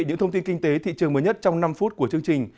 những thông tin kinh tế thị trường mới nhất trong năm phút của chương trình